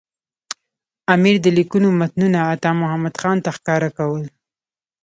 امیر د لیکونو متنونه عطامحمد خان ته ښکاره کول.